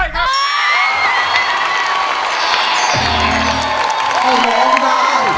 ได้นะ